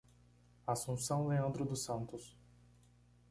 Assunção Leandro dos Santos